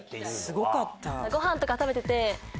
ごはんとか食べてて。